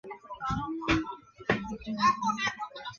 由溴乙醛在干燥溴化氢作用下与乙醇反应得到。